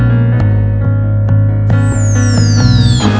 mbak gak apa apa mbak